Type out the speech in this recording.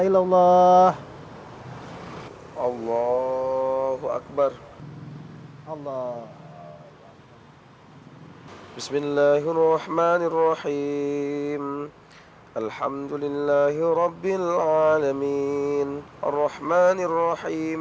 ilallah allahu akbar allah bismillahirrohmanirrohim alhamdulillahirobbil alamin arrohmanirrohim